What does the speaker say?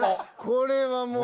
これはもう。